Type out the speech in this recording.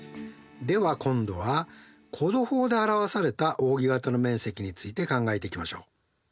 では今度は弧度法で表されたおうぎ形の面積について考えていきましょう。